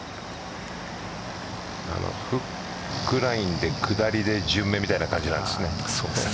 フックラインで下りで順目みたいな感じなんですね。